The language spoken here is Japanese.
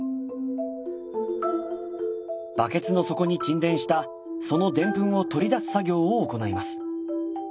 バケツの底に沈殿したそのデンプンを取り出す作業を行います。